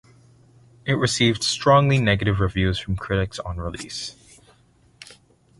It received strongly negative reviews from critics on release.